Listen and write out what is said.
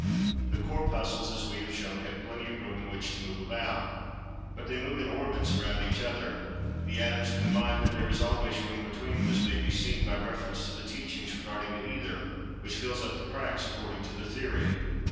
The Corpuscles, as we have shown, have "plenty of room" in which to move about, and they move in orbits around each other. The Atoms combine, but there is always room between[Pg 164] them, as may be seen by reference to the teachings regarding the "Ether," which "fills up the cracks" according to the theory.